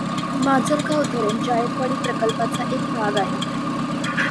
माजलगाव धरण जायकवाडी प्रकल्पाचा एक भाग आहे.